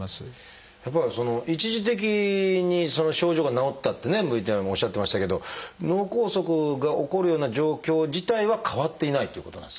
やっぱりその一時的に症状が治ったってねＶＴＲでもおっしゃってましたけど脳梗塞が起こるような状況自体は変わっていないということなんですか？